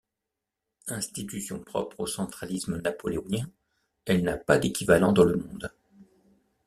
Institution propre au centralisme napoléonien, elle n'a pas d'équivalent dans le monde.